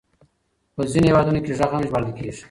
په ځينو هېوادونو کې غږ هم ژباړل کېږي.